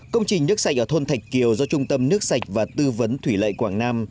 công trình nước sạch ở thôn thạch kiều do trung tâm nước sạch và tư vấn thủy lợi quảng nam